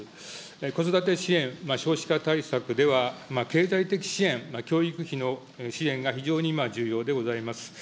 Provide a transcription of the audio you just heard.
子育て支援、少子化対策では、経済的支援、教育費の支援が非常に今、重要でございます。